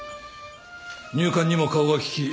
入管にも顔が利き